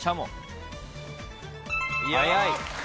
早い！